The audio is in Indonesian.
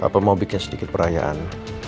apa mau bikin sedikit perayaan